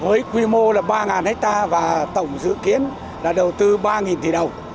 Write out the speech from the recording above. với quy mô là ba ha và tổng dự kiến là đầu tư ba tỷ đồng